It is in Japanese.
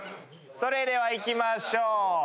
それではいきましょう。